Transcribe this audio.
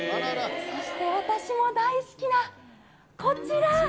そして私も大好きなこちら。